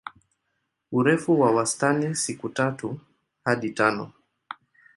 Urefu wa wastani siku tatu hadi tano.